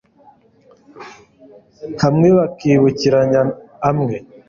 hamwe bakibukiranya amwe